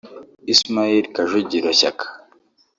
Ismail Kajugiro Shyaka